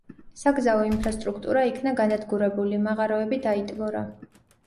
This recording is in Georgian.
საგზაო ინფრასტრუქტურა იქნა განადგურებული, მაღაროები დაიტბორა.